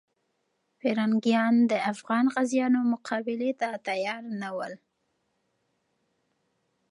پرنګیانو د افغان غازیانو مقابلې ته تیار نه ول.